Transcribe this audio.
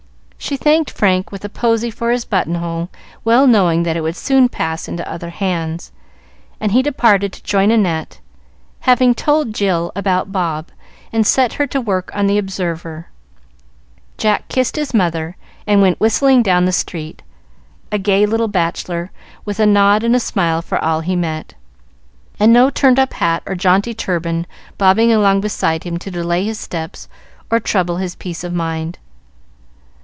She thanked Frank with a posy for his buttonhole, well knowing that it would soon pass into other hands, and he departed to join Annette. Having told Jill about Bob, and set her to work on the "Observer," Jack kissed his mother, and went whistling down the street, a gay little bachelor, with a nod and smile for all he met, and no turned up hat or jaunty turban bobbing along beside him to delay his steps or trouble his peace of mind.